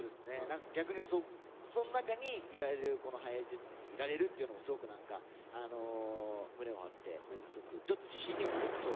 逆にそん中にいられるこのＨｉＨｉＪｅｔｓにいられるっていうのもすごく何か胸を張ってすごくちょっと自信にもなりましたね。